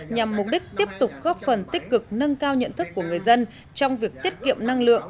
nhằm mục đích tiếp tục góp phần tích cực nâng cao nhận thức của người dân trong việc tiết kiệm năng lượng